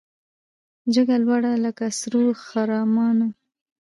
جګه لوړه لکه سرو خرامانه